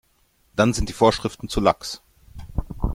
Dann sind die Vorschriften zu lax.